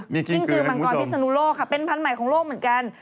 มีกิ้งกือในมุมชมกิ้งกือมังกรพิษนุโลกค่ะเป็นพันธุ์ใหม่ของโลกเหมือนกัน